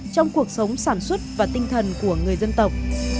trong cuộc sống sản xuất và tinh thần của người dân tộc